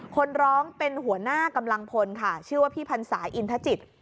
คนร้องเป็นหัวหน้ากำลังพลค่ะชื่อว่าพี่พันศาอินทจิต